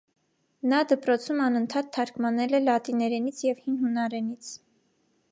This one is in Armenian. Նա դպրոցում անընդհատ թարգմանել է լատիներենից և հին հունարենից։